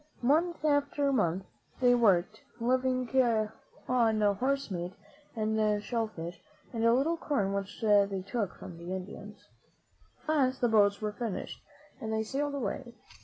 Month after month they worked, liv ing on horse meat and shell fish and a little corn which they took from the Indians. At last the boats were finished and they sailed away.